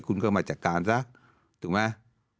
คุณก็มาจัดการซะถูกไหม